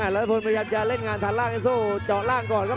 รัฐพนธ์พยายามจะเล่นงานฐานล่างเอ็นโซเจาะล่างก่อนครับ